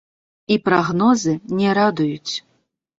І прагнозы не радуюць.